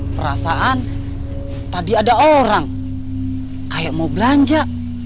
perasaan tadi ada orang kayak mau belanja